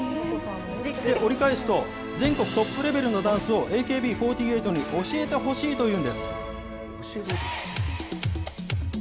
折り返すと、全国トップレベルのダンスをＡＫＢ４８に教えてほしいというんです。